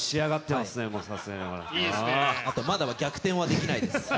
まだ逆転はできないです。